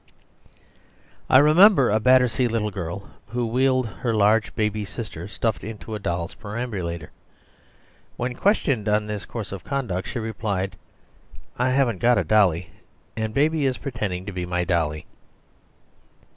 I remember a Battersea little girl who wheeled her large baby sister stuffed into a doll's perambulator. When questioned on this course of conduct, she replied: "I haven't got a dolly, and Baby is pretending to be my dolly."